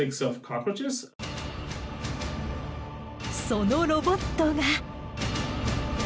そのロボットが。